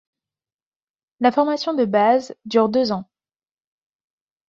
La formation de base dure deux ans.